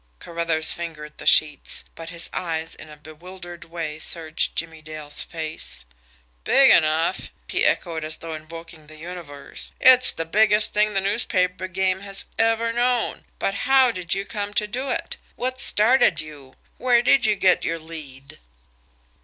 Carruthers fingered the sheets, but his eyes in a bewildered way searched Jimmie Dale's face. "Big enough!" he echoed, as though invoking the universe. "It's the biggest thing the newspaper game has ever known. But how did you come to do it? What started you? Where did you get your lead?"